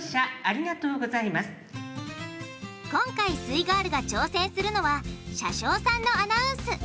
今回すイガールが挑戦するのは車掌さんのアナウンス。